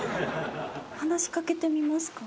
話し掛けてみますか？